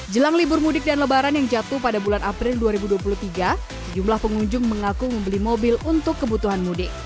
jelang libur mudik dan lebaran yang jatuh pada bulan april dua ribu dua puluh tiga sejumlah pengunjung mengaku membeli mobil untuk kebutuhan mudik